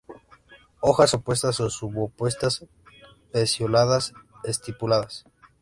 Hojas opuestas o subopuestas, pecioladas, estipuladas.